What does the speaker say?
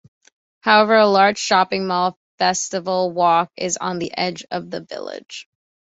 However a large shopping mall, Festival Walk, is on the edge of the village.